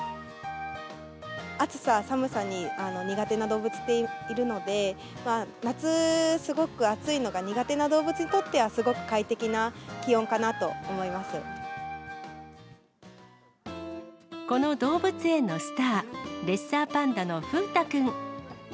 暑さ、寒さに、苦手な動物っているので、夏、すごく暑いのが苦手な動物にとっては、すごく快適な気温かなと思この動物園のスター、レッサーパンダの風太くん。